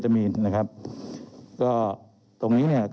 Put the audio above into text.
เรามีการปิดบันทึกจับกลุ่มเขาหรือหลังเกิดเหตุแล้วเนี่ย